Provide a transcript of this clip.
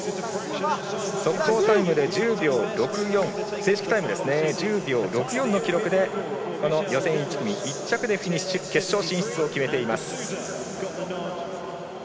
正式タイム１０秒６４でこの予選１組１着でフィニッシュ決勝進出を決めています。